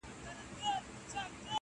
او بخښنه مي له خدایه څخه غواړم--!